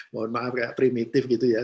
mohon maaf kayak primitif gitu ya